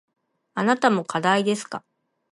あなたも課題ですか。